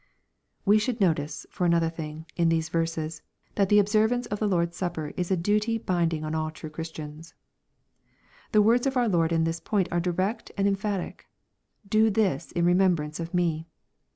We should notice, for another thing, in these verses, that the observance of the Lord's Supper is a duty binding on all true Christians, The words of our Lord on this point are direct and emphatic :—" Do this in remem brance of me."